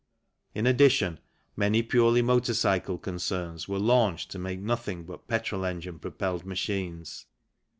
In addition, many purely motor cycle concerns were launched to make nothing but petrol engine propelled machines.